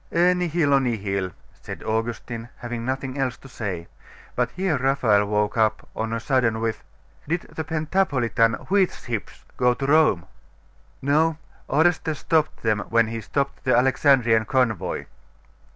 'E nihilo nihil!' said Augustine, having nothing else to say. But here Raphael woke up on a sudden with 'Did the Pentapolitan wheat ships go to Rome?' 'No; Orestes stopped them when he stopped the Alexandrian convoy.